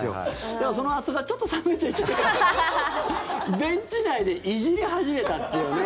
でも、その熱さがちょっと冷めてきてベンチ内でいじり始めたというね。